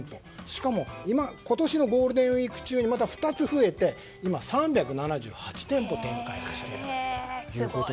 しかも今年のゴールデンウィーク中にまた２つ増えて今、３７８店舗展開をしていると。